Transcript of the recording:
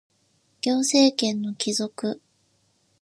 行政権の帰属